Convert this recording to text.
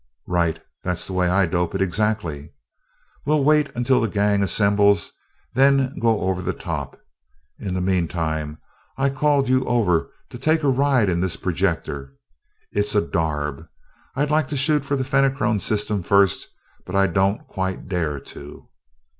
"Right that's the way I dope it, exactly. We'll wait until the gang assembles, then go over the top. In the meantime, I called you over to take a ride in this projector it's a darb. I'd like to shoot for the Fenachrone system first, but I don't quite dare to."